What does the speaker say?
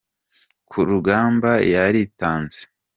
Kurugamba, yaritanze.